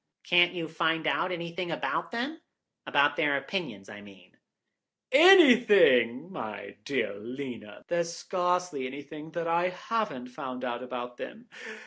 "Can't you find out anything about them? About their opinions, I mean." "Anything? My dear Lena, there's scarcely anything that I haven't found out about them.